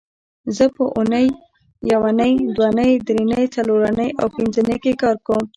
زه په اونۍ یونۍ دونۍ درېنۍ څلورنۍ او پبنځنۍ کې کار کوم